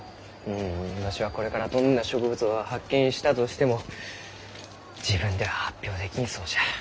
うんわしがこれからどんな植物を発見したとしても自分では発表できんそうじゃ。